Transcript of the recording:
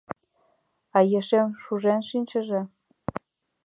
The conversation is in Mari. — А ешем шужен шинчыже?